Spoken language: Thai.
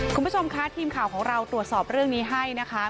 คุณผู้ชมคะทีมข่าวของเราตรวจสอบเรื่องนี้ให้นะคะ